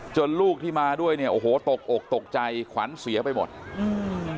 ลูกที่มาด้วยเนี่ยโอ้โหตกอกตกใจขวัญเสียไปหมดอืม